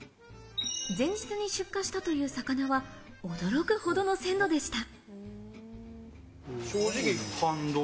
前日に出荷したという魚は、驚くほどの鮮度でした。